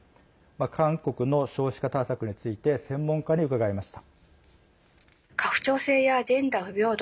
韓国の少子化対策について専門家に伺いました。